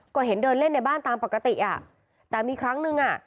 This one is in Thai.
ก็เห็นเดินเล่นในบ้านตามปกติอ่ะแต่มีครั้งนึงอ่ะ